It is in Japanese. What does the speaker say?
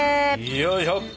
よいしょ！